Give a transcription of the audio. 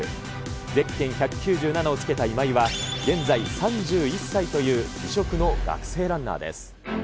ゼッケン１９７をつけた今井は、現在３１歳という異色の学生ランナーです。